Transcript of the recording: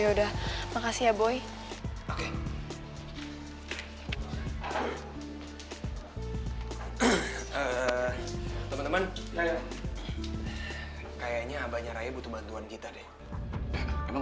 ya udah makasih ya boy oke teman teman kayaknya abahnya raya butuh bantuan kita deh emang